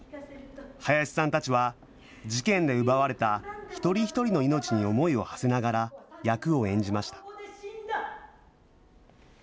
林さんたちは、事件で奪われた一人一人の命に思いをはせながら、役を演じました。